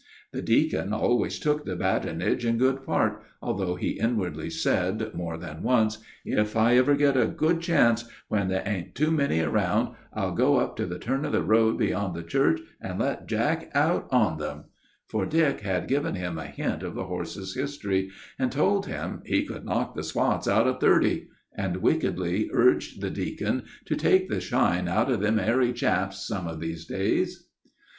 The deacon always took their badinage in good part, although he inwardly said more than once, "If I ever get a good chance, when there ar'n't too many around, I'll go up to the turn of the road beyond the church, and let Jack out on them;" for Dick had given him a hint of the horse's history, and told him "he could knock the spots out of thirty," and wickedly urged the deacon to take the starch out of them airy chaps some of these days.